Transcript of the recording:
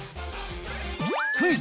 クイズ！